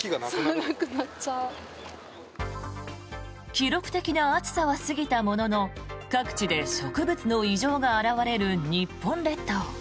記録的な暑さは過ぎたものの各地で植物の異常が現れる日本列島。